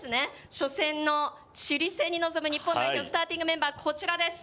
初戦のチリ戦に臨む日本代表、スターティングメンバーこちらです。